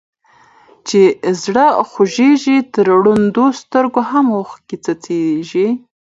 چي زړه خوږيږي تر ړندو سترګو هم اوښکي څڅيږي.